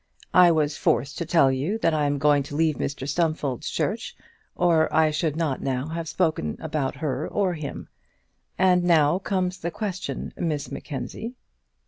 I was forced to tell you that I am going to leave Mr Stumfold's church, or I should not now have spoken about her or him. And now comes the question, Miss Mackenzie."